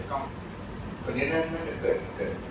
คุณพร้อมคุณพร้อมกับเต้ย